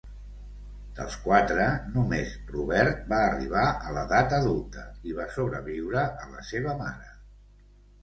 Dels quatre, només Robert va arribar a l'edat adulta i va sobreviure la seva mare.